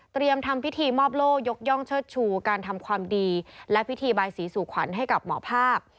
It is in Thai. ทำพิธีมอบโล่ยกย่องเชิดชูการทำความดีและพิธีบายสีสู่ขวัญให้กับหมอภาค